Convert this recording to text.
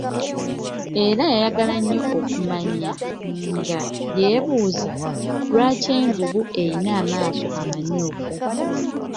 Era yayagala nnyo okumanya nga ye buuza, lwaki envubu erina amaaso amamyufu?